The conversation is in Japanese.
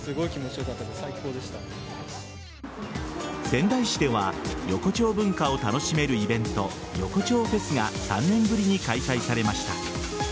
仙台市では横丁文化を楽しめるイベント横丁フェスが３年ぶりに開催されました。